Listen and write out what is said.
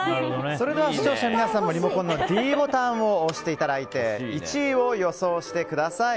それでは視聴者の皆さんもリモコンのｄボタンを押して１位を予想してください。